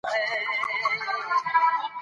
کلک خج پر توري ډېر زور اچوي.